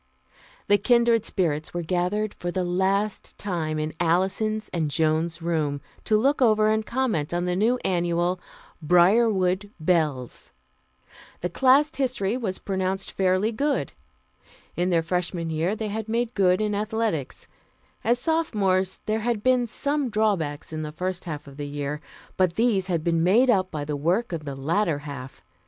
The "Kindred Spirits" were gathered for the last time in Alison's and Joan's room, to look over and comment on the new Annual, Briarwood Bells. The class history was pronounced fairly good. In their Freshman year they had made good in athletics. As Sophomores, there had been some drawbacks in the first half of the year, but these had been made up by the work of the latter half.